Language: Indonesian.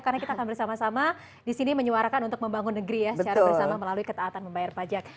karena kita akan bersama sama disini menyuarakan untuk membangun negeri ya secara bersama melalui ketaatan membayar pajak